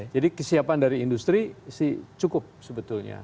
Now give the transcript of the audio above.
jadi kesiapan dari industri sih cukup sebetulnya